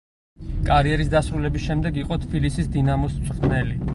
კარიერის დასრულების შემდეგ იყო თბილისის „დინამოს“ მწვრთნელი.